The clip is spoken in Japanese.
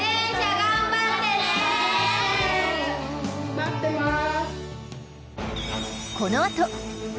待ってます。